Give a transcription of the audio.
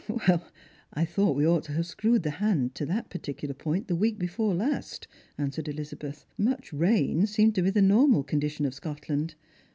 " I thought we ought to have screwed the hand to that par ticular point the week before last," answered Elizabeth ;" much rain seemed to be the normal condition of Scotland.